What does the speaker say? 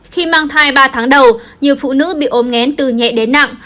khi mang thai ba tháng đầu nhiều phụ nữ bị ôm ngén từ nhẹ đến nặng